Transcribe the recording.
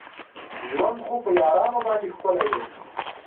ژوند خو په یارانو باندې ښکلی دی.